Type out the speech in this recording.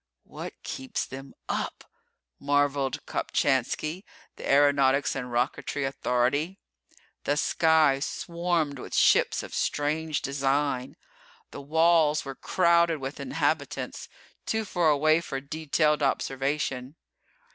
"What keeps them up!" marvelled Kopchainski, the aeronautics and rocketry authority. The sky swarmed with ships of strange design. The walls were crowded with inhabitants, too far away for detailed observation.